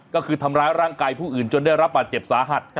ก็คือทำร้ายร่างกายผู้อื่นจนได้รับบาดเจ็บสาหัส